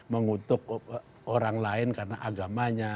mengutuk orang lain karena agamanya